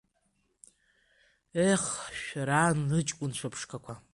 Ех, шәара, ан лыҷкәынцәа ԥшқақәа!